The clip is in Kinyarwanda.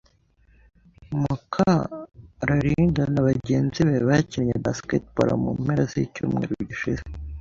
Mukurarinda na bagenzi be bakinnye basketball mu mpera zicyumweru gishize.